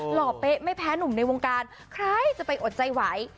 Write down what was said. หล่อเป๊ะไม่แพ้หนุ่มในวงการใครจะไปอดใจไหว